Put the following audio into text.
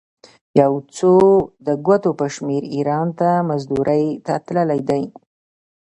یو څو د ګوتو په شمېر ایران ته مزدورۍ ته تللي دي.